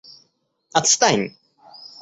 Отстань!..